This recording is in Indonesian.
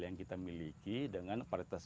yang kita miliki dengan varietas